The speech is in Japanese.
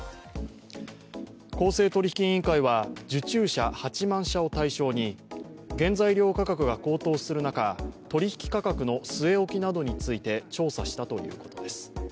公正取引委員会は受注者８万社を対象に原材料価格が高騰する中取引価格の据え置きなどについて調査したということです。